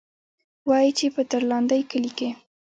وايي چې پۀ ترلاندۍ کلي کښې